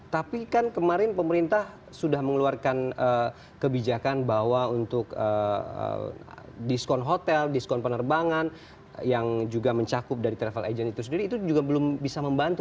tapi kan kemarin pemerintah sudah mengeluarkan kebijakan bahwa untuk diskon hotel diskon penerbangan yang juga mencakup dari travel agent itu sendiri itu juga belum bisa membantu